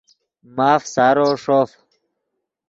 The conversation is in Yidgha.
ماف سارو ݰوف